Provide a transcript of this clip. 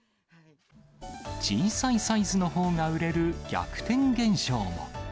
小さいサイズのほうが売れる逆転現象も。